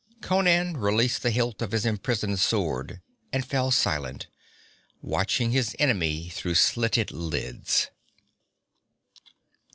Conan released the hilt of his imprisoned sword and fell silent, watching his enemy through slitted lids.